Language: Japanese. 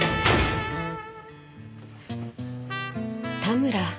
田村。